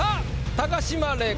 高島礼子！